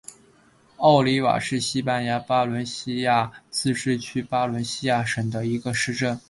奥利瓦是西班牙巴伦西亚自治区巴伦西亚省的一个市镇。